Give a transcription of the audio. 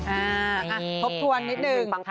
อ่าทบทวนนิดนึง